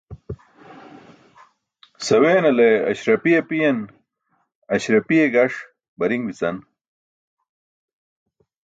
Saweenale ásrapi apiyen, aśrapiye gaṣ bari̇n bi̇can.